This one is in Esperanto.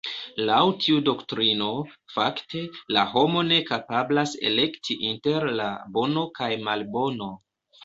Laŭ tiu doktrino, fakte, la homo ne kapablas elekti inter la bono kaj malbono.